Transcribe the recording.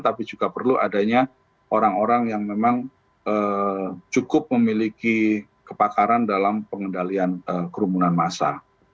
tapi juga perlu adanya orang orang yang memang cukup memiliki kepakaran dalam pengendalian kerumunan massa